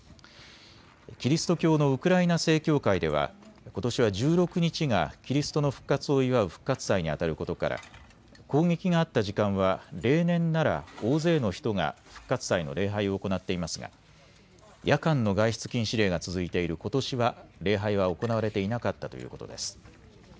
キリスト教のウクライナ正教会ではことしは１６日がキリストの復活を祝う復活祭にあたることから攻撃があった時間は例年なら大勢の人が復活祭の礼拝を行っていますが夜間の外出禁止令が続いていることしは礼拝は行われていなかったということです。